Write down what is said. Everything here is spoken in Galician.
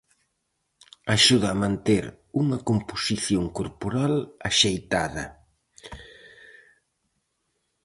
Axuda a manter unha composición corporal axeitada.